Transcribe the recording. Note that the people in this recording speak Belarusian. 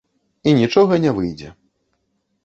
І нічога не выйдзе.